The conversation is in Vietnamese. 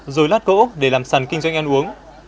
rồi lát gỗ để làm sàn kinh doanh ăn uống